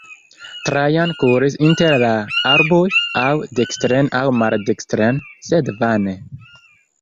Trajan kuris inter la arboj, aŭ dekstren aŭ maldekstren, sed vane.